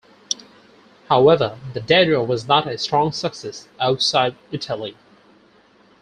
However, the Dedra was not a strong success outside Italy.